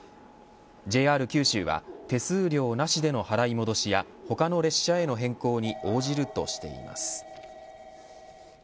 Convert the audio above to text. ＪＲ九州は手数料なしでの払い戻しや他の列車への変更に応じるとしてます。